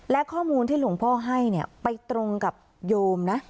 และข้อมูลที่หลวงพ่อให้เนี่ยไปตรงกับโยมนะ